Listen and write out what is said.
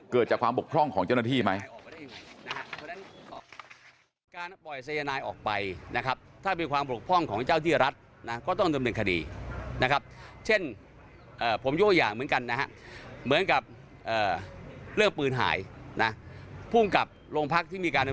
เกิดจากความบกพร่องของเจ้าหน้าที่ไหม